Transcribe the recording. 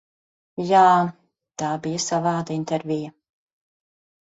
Jā, tā bija savāda intervija.